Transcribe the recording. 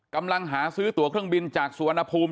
กำลังหาซื้อตัวเครื่องบินจากสุวรรณภูมิ